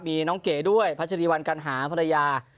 มีน้องเก๋ด้วยพระเจดีวรรดิ์กัลหาภรรยา